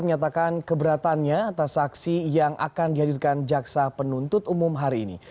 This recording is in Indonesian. menyatakan keberatannya atas saksi yang akan dihadirkan jaksa penuntut umum hari ini